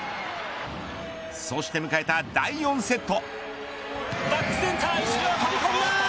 そして迎えた第４セット。